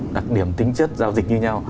đặt điểm tính chất giao dịch như nhau